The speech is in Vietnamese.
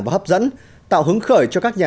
và hấp dẫn tạo hứng khởi cho các nhà